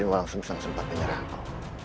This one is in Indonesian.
tadi mereka langsung sempat menyerah aku